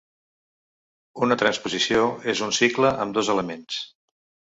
Una transposició és un cicle amb dos elements.